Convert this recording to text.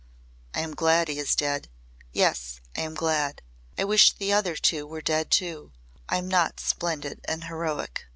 I am glad he is dead. Yes, I am glad. I wish the other two were dead too. I'm not splendid and heroic.